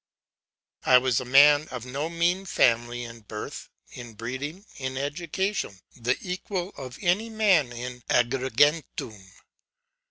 'I was a man of no mean family; in birth, in breeding, in education, the equal of any man in Agrigentum.